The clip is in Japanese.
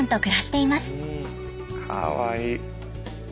かわいい。